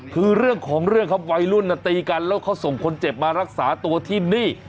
คือเรื่องของเรื่องครับวัยรุ่นตีกันแล้วเขาส่งคนเจ็บมารักษาตัวที่นี่